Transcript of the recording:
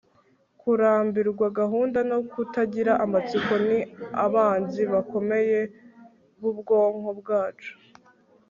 kurambirwa, gahunda, no kutagira amatsiko ni abanzi bakomeye b'ubwonko bwacu